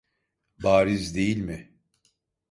Bariz değil mi?